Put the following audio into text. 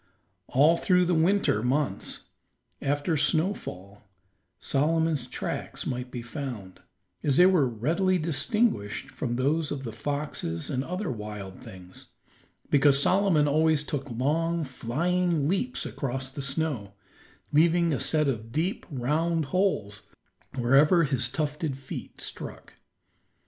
All through the winter months, after snowfall, Solomon's tracks might be found, as they were readily distinguished from those of the foxes and other wild things because Solomon always took long, flying leaps across the snow, leaving a set of deep, round holes wherever his tufted feet struck.